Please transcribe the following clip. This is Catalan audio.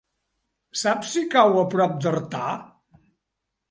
Saps si cau a prop d'Artà?